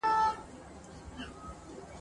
د پوهي د کچي لوړېدل د صادقانه اړیکو لامل کېږي.